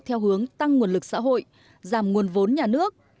theo hướng tăng nguồn lực xã hội giảm nguồn vốn nhà nước